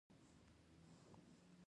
سلیمان غر د موسم د بدلون سبب کېږي.